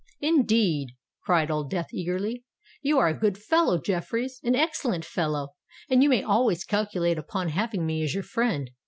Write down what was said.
"Indeed!" cried Old Death eagerly. "You are a good fellow, Jeffreys—an excellent fellow; and you may always calculate upon having me as your friend.